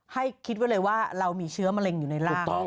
ให้คิดไว้เลยว่าเรามีเชื้อมะเร็งอยู่ในร่าง